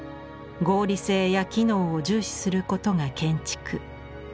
合理性や機能を重視することが建築。